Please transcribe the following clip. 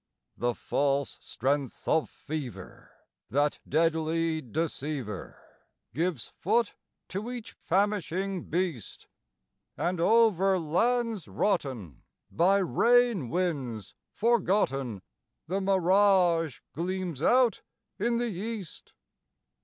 The false strength of fever, that deadly deceiver, Gives foot to each famishing beast; And over lands rotten, by rain winds forgotten, The mirage gleams out in the east.